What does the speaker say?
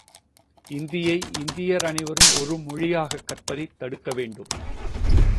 இந்தியை இந்தியர் அனைவரும் ஒருமொழியாகக் கற்பதைத் தடுக்க வேண்டாம்.